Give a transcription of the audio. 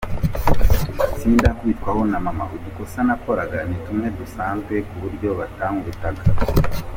Sindakubitwaho na Mama, udukosa nakoraga ni tumwe dusanzwe ku buryo batankubitaga.